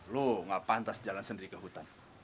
loh gak pantas jalan sendiri ke hutan